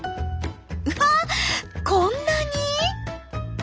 うわこんなに！？